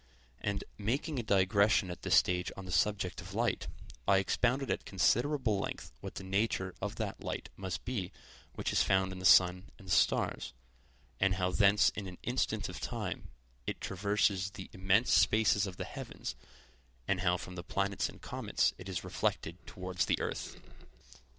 And, making a digression at this stage on the subject of light, I expounded at considerable length what the nature of that light must be which is found in the sun and the stars, and how thence in an instant of time it traverses the immense spaces of the heavens, and how from the planets and comets it is reflected towards the earth.